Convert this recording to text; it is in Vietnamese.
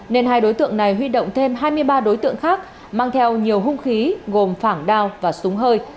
nên hai đối tượng này huy động thêm hai mươi ba đối tượng khác mang theo nhiều hung khí gồm phảng đao và súng hơi